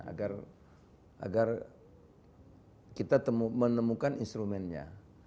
agar kita menemukan instrumennya